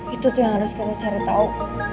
itu tuh yang harus kalian cari tau